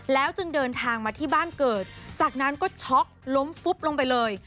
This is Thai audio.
จึงเดินทางมาที่บ้านเกิดจากนั้นก็ช็อกล้มฟุบลงไปเลย